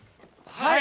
はい！